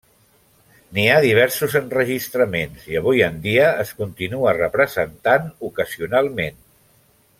N'hi ha diversos enregistraments, i avui en dia es continua representant ocasionalment.